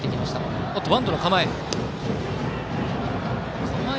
バントの構え。